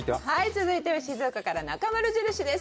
続いては静岡からなかまる印です。